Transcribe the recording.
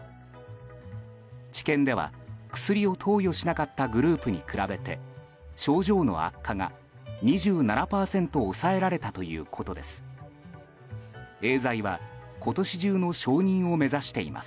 治験では、薬を投与しなかったグループに比べて症状の悪化が２７％抑えられたということです。